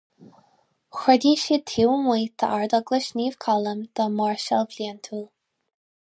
Chruinnigh siad taobh amuigh d'Ardeaglais Naomh Columb dá máirseáil bhliantúil.